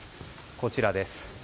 こちらです。